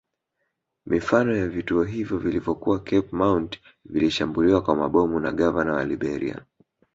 Mifano ya vituo hivyo vilivyokuwa Cape Mount vilishambuliwa kwa mabomu na gavana wa Liberia